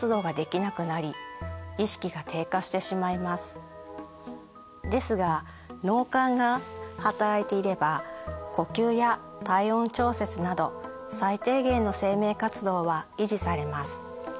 例えばですが脳幹が働いていれば呼吸や体温調節など最低限の生命活動は維持されます。